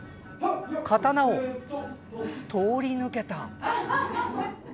刀を通り抜けた。